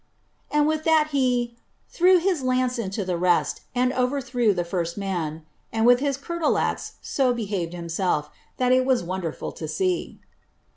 and with that he threw hia knee into the rest, and overthrew the first man ; and with his curtclax so behaved himself, that it was wonderful to see."'